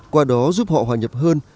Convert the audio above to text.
qua đó giúp họ hoa nhập hơn